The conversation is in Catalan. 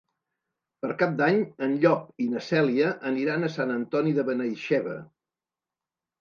Per Cap d'Any en Llop i na Cèlia aniran a Sant Antoni de Benaixeve.